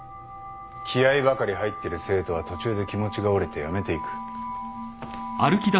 気合ばかり入ってる生徒は途中で気持ちが折れて辞めていく。